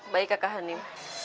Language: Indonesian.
baik kakak hanim